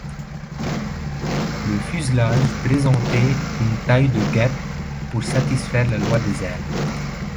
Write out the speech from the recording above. Le fuselage présentait une taille de guêpe pour satisfaire la loi des aires.